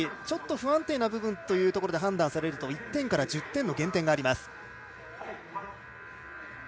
ちょっと不安定な部分というところで判断されると１点から１０点の減点があります。